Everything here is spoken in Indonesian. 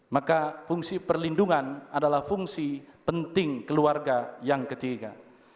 maka fungsi perlindungan adalah fungsi penting keluarga yang ketiga